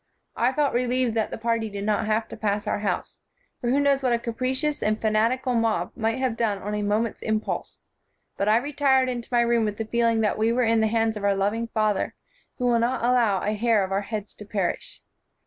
I felt relieved that the party did not have to pass our house, for who knows what a capricious and fanatical mob might have done on a mo ment's impulse? But I retired into my room with the feeling that we were in the hands of our loving Father, who will not allow a hair of our heads to perish.